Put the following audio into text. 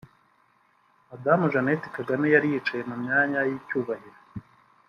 Madame Jeannette Kagame yari yicaye mu myanya y’icyubahiro